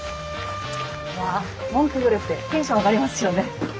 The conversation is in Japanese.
いや門をくぐるってテンション上がりますよね。